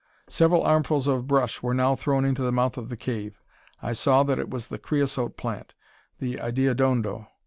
Several armfuls of brush were now thrown into the mouth of the cave. I saw that it was the creosote plant, the ideodondo.